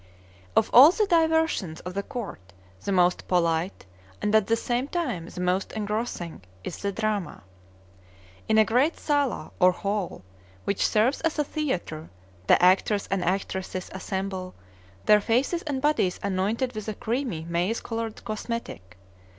Of all the diversions of the court the most polite, and at the same time the most engrossing, is the drama. In a great sala, or hall, which serves as a theatre, the actors and actresses assemble, their faces and bodies anointed with a creamy, maize colored cosmetic.